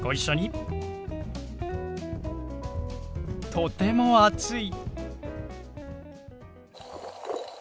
とても暑い。